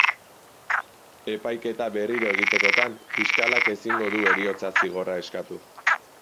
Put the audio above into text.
Epaiketa berriro egitekotan, fiskalak ezingo du heriotza-zigorra eskatu.